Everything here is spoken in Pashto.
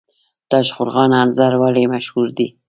تاشقرغان انځر ولې مشهور دي؟